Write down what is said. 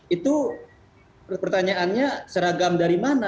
itu pertanyaannya seragam dari mana